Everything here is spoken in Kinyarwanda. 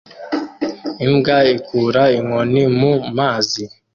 Imbwa ikura inkoni mu mazi